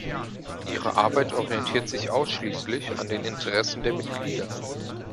Ihre Arbeit orientiert sich ausschließlich an den Interessen der Mitglieder.